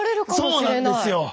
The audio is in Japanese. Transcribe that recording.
そうなんですよ！